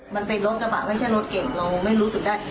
มันเป็นรถกระบะไม่ใช่รถเก่งเราไม่รู้สึกได้